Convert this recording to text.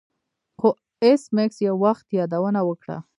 خو ایس میکس یو وخت یادونه وکړه